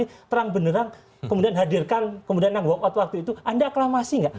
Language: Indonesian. kalau beneran kemudian hadirkan kemudian yang work out waktu itu anda aklamasi nggak